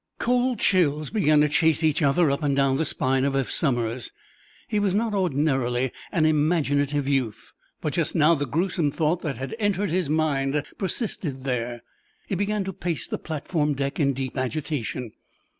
Cold chills began to chase each other up and down the spine of Eph Somers. He was not, ordinarily, an imaginative youth, but just now the gruesome thought that had entered his mind persisted there. He began to pace the platform deck in deep agitation.